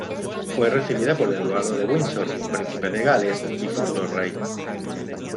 Fue recibida por Eduardo de Windsor, príncipe de Gales y futuro rey.